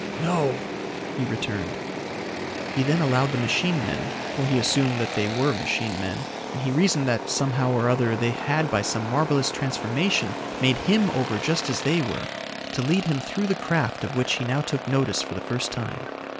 "No," he returned. He then allowed the machine men for he assumed that they were machine men, and he reasoned that, somehow or other they had by some marvelous transformation made him over just as they were to lead him through the craft of which he now took notice for the first time.